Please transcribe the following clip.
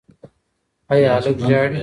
ایا هلک ژاړي؟